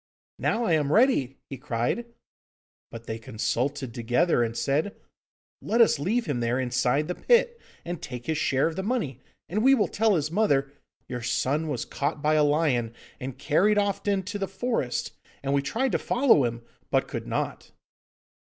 'Now I am ready!' he cried; but they consulted together and said, 'Let us leave him there inside the pit, and take his share of the money, and we will tell his mother, "Your son was caught by a lion and carried off into the forest, and we tried to follow him, but could not."